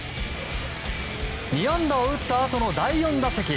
２安打を打ったあとの第４打席。